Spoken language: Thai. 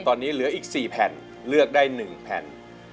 ตอนนี้เหลืออีก๔แผ่นเลือกได้๑แผ่น